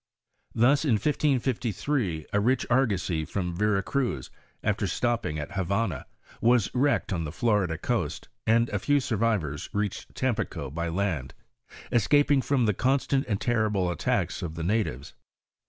Thus, in 1553, a rich argosy from Yera Cruz, after stopping at Havana, was wrecked on the Florida coast, and a few survivors reached Tampico by land, escaping from the constant and terrible attacks of the na tives.